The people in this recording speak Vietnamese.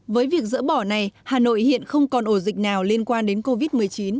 với việc dỡ bỏ này hà nội hiện không còn ổ dịch nào liên quan đến covid một mươi chín